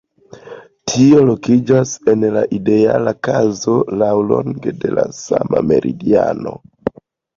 Tio lokiĝas en ideala kazo laŭlonge de la sama meridiano.